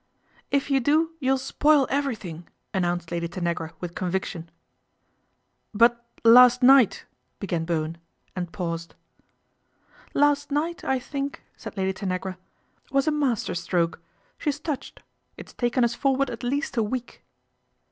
If you do you'll spoil everything," announced Lady Tanagra with conviction. " But, last night," began Bowen and paused. " Last night, I think," said Lady Tanagra, " was a master stroke. She is touched ; it's taken us forward at least a week."